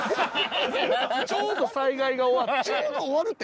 ちょうど災害が終わって。